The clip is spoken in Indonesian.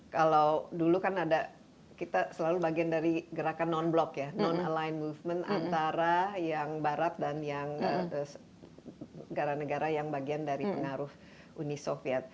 kalau dulu kan ada kita selalu bagian dari gerakan non blok ya non align movement antara yang barat dan yang negara negara yang bagian dari pengaruh uni soviet